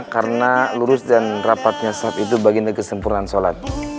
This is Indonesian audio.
karena lurus dan rapatnya saat itu bagian dari kesempurnaan sholat